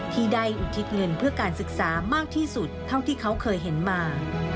ที่ได้อุทิศเงินเพื่อการศึกษามากที่สุดเท่าที่เขาเคยเห็นมา